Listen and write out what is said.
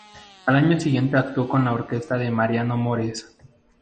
Al año siguiente actuó con la orquesta de Mariano Mores.